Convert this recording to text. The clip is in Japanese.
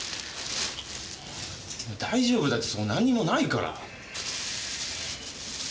大丈夫だってそこなんにもないから。